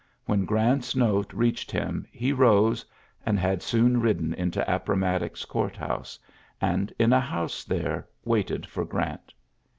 When Grant's note reached him, he rose, and had soon ridden into Appomattox Court house, and in a house there waited for Grant.